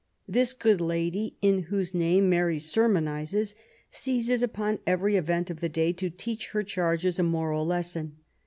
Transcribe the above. This good lady, in whose name Mary sermonizes, seizes upon every event of the day to teach her charges a moral lesson.